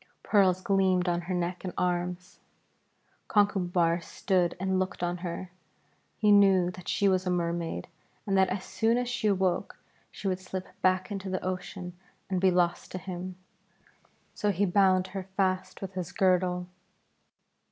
Pearls gleamed on her neck and arms. Conchubar stood and looked on her. He knew that she was a Mermaid and that as soon as she awoke she would slip back into the ocean and be lost to him. So he bound her fast with his girdle.